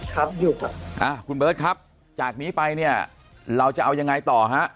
ครับอยู่กับอ่าคุณเบิร์ตครับจากนี้ไปเนี่ยเราจะเอายังไงต่อฮะ